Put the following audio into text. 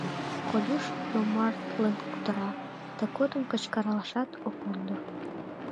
— Колюш йомартлын кутыра, тыгодым кычкырлашат ок мондо.